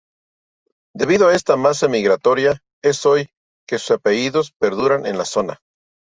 Debido a esta masa inmigratoria es hoy que sus apellidos perduran en la zona.